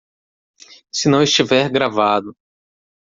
Se não estiver gravado